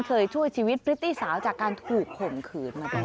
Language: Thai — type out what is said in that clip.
ช่วยชีวิตพริตตี้สาวจากการถูกข่มขืนมาแล้ว